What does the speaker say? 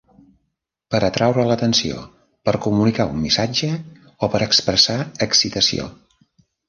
Per atraure l'atenció, per comunicar un missatge o per expressar excitació.